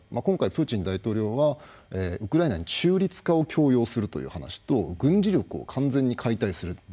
今回プーチン大統領はウクライナに中立化を強要するという話と軍事力を完全に解体する。